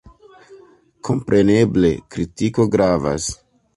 Kompreneble, kritiko gravas.